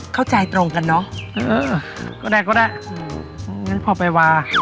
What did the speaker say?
เข้าใจตรงกันเนอะเออก็ได้ก็ได้งั้นพอไปวา